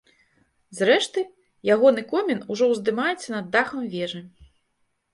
Зрэшты, ягоны комін ужо ўздымаецца над дахам вежы.